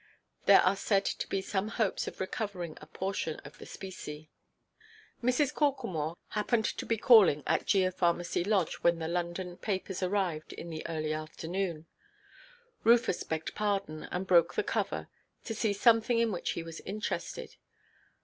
There are said to be some hopes of recovering a portion of the specie." Mrs. Corklemore happened to be calling at Geopharmacy Lodge, when the London papers arrived in the early afternoon. Rufus begged pardon, and broke the cover, to see something in which he was interested.